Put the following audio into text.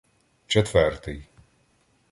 Четвертий